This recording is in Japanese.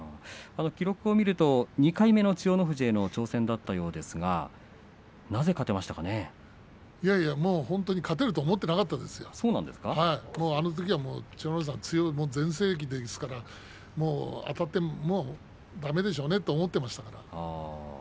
記録を見ると２回目の千代の富士への挑戦だったと思い勝てると思っていなかったですよ、あのときは千代の富士さん全盛期ですからあたってもうだめでしょうねと思っていましたから。